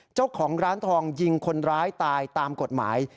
เจ้าของร้านทองยิงคนร้ายตายตามกฎหมาย